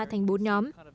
thành bốn nhóm